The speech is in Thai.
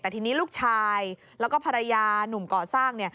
แต่ทีนี้ลูกชายแล้วก็ภรรยานุ่มก่อสร้าง